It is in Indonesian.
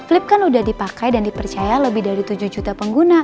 lip kan udah dipakai dan dipercaya lebih dari tujuh juta pengguna